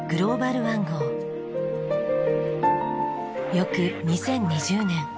翌２０２０年。